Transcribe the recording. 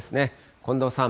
近藤さん。